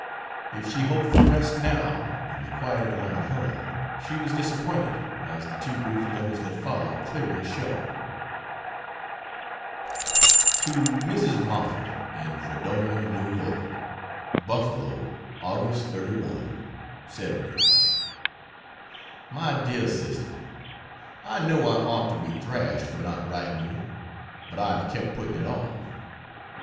If she hoped for rest now, in the quiet of her own home, she was disappointed, as the two brief letters that follow clearly show. To Mrs. Moffett, in Fredonia, N. Y.: BUFFALO, Aug. 31, 70. MY DEAR SISTER, I know I ought to be thrashed for not writing you, but I have kept putting it off.